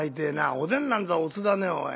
おでんなんざおつだねおい。